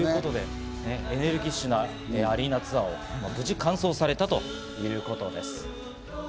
エネルギッシュなアリーナツアーを無事完走されたということです。